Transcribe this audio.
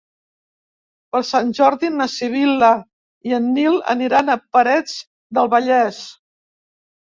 Per Sant Jordi na Sibil·la i en Nil aniran a Parets del Vallès.